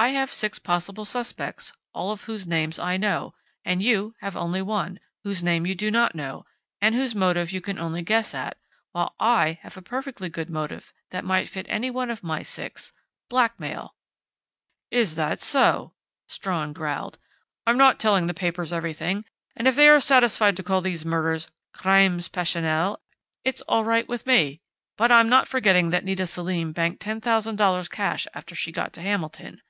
I have six possible suspects, all of whose names I know, and you have only one whose name you do not know, and whose motive you can only guess at, while I have a perfectly good motive that might fit any one of my six blackmail!" "Is that so?" Strawn growled. "I'm not telling the papers everything, and if they are satisfied to call these murders 'crimes passionnels,' it's all right with me. But I'm not forgetting that Nita Selim banked ten thousand dollars cash after she got to Hamilton.